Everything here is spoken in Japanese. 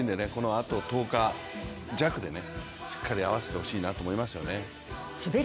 あと１０日弱でしっかり合わせてほしいなと思いますよね。